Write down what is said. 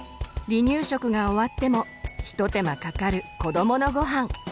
離乳食が終わっても一手間かかる子どものごはん。